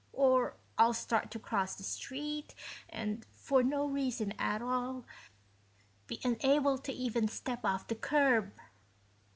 Or I'll start to cross the street and, for no reason at all, be unable to even step off the curb...."